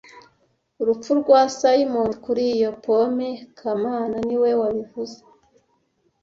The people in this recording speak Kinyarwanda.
Urupfu rwa Simoni kuri iyo pome kamana niwe wabivuze